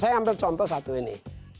saya ambil contoh satu ini